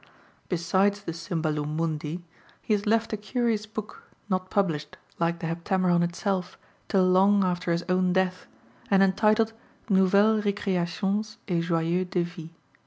Besides the Cymbalum Mundi, he has left a curious book, not published, like the Heptameron itself, till long after his own death, and entitled Nouvelles Récréations et Joyeux Devis.